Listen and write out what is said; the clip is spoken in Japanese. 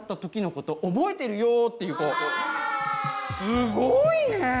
すごいねえ！